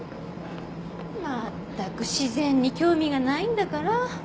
まったく自然に興味がないんだから。